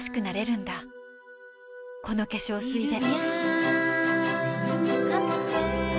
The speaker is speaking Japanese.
この化粧水で